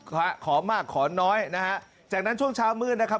ขอมากขอน้อยนะฮะจากนั้นช่วงเช้ามืดนะครับ